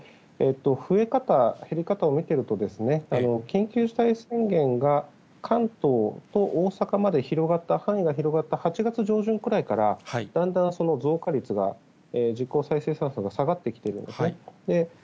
増え方、減り方を見ていると、緊急事態宣言が関東と大阪まで広がった、範囲が広がった８月上旬くらいからだんだん増加率が、実効再生産数が下がってきているんですね。